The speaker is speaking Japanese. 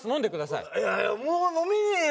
いやいやもう飲めねえよ！